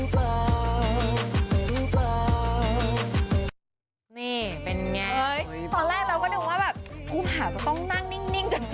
ตอบเลยเธอพล็อกมาทั้ง